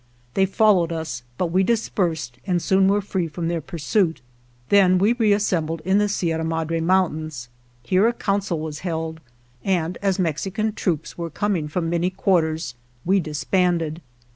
They followed us, but we dis persed, and soon were free from their pur suit; then we reassembled in the Sierra Madre Mountains. Here a council was held, and as Mexican troops were coming from many quarters, we disbanded.